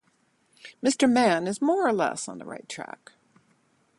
Mr. Mann is more or less on the right track.